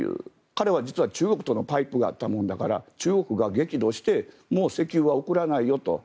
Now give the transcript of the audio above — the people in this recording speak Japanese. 彼は実は中国とのパイプがあったもんだから中国が激怒してもう石油は送らないよと。